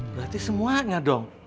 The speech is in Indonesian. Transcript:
berarti semuanya dong